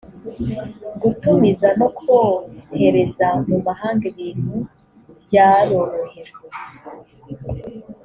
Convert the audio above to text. gutumiza no kohereza mu mahanga ibintu byarorohejwe